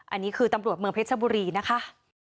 อันนี้คือตำรวจเมืองเพชรบุรีนะคะ